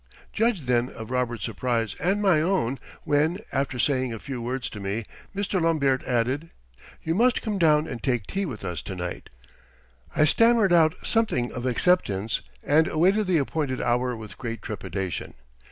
Judge then of Robert's surprise, and my own, when, after saying a few words to me, Mr. Lombaert added: "You must come down and take tea with us to night." I stammered out something of acceptance and awaited the appointed hour with great trepidation.